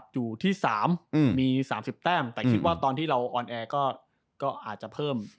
อยู่ที่๓มี๓๐แต้มแต่คิดว่าตอนที่เราออนแอร์ก็อาจจะเพิ่ม